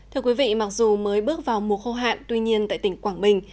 thưa quý vị mặc dù mới bước vào mùa khô hạn tuy nhiên tại tỉnh quảng bình